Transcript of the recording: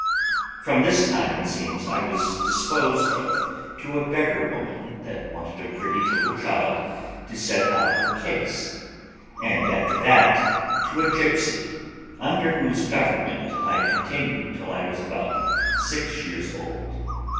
From this time, it seems, I was disposed of to a beggar woman that wanted a pretty little child to set out her case; and after that, to a gipsy, under whose government I continued till I was about six years old.